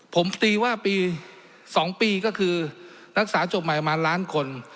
ผมตีว่าปี๒ปีก็คือรักษาจบใหม่ประมาณล้านคน